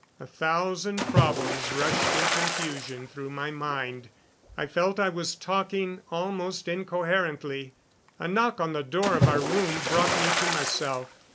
A thousand problems rushed in confusion through my mind. I felt I was talking almost incoherently. A knock on the door of our room brought me to myself.